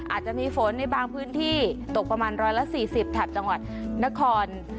อาจจะมีฝนในบางพื้นที่ตกประมาณ๑๔๐แถบจังหวัดนคร